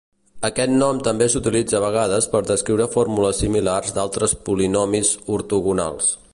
Aquest nom també s'utilitza a vegades per descriure fórmules similars d'altres polinomis ortogonals.